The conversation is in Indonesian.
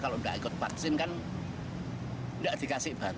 kalau tidak ikut vaksin kan tidak dikasih bantuan